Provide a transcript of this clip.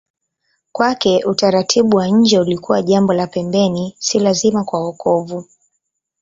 Kwake utaratibu wa nje ulikuwa jambo la pembeni, si lazima kwa wokovu.